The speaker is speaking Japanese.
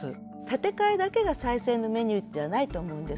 建て替えだけが再生のメニューじゃないと思うんですね。